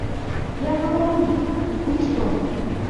Як было раней, у гісторыі?